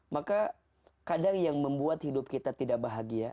maka kadang yang membuat hidup kita tidak bahagia